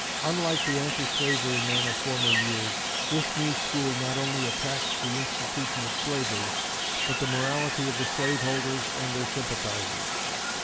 Unlike the anti slavery men of former years, this new school not only attacked the institution of slavery, but the morality of the slaveholders and their sympathizers.